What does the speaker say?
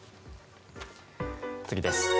次です。